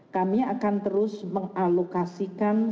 kami akan terus mengalokasikan